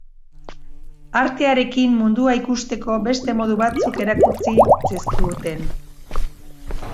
Artearekin mundua ikusteko beste modu batzuk erakutsi zizkiguten.